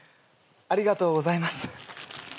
ありがとうございます。